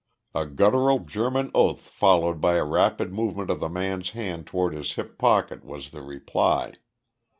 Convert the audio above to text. A guttural German oath, followed by a rapid movement of the man's hand toward his hip pocket was the reply.